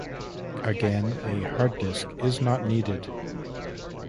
Again, a harddisk is not needed.